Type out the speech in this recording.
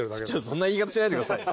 そんな言い方しないでください。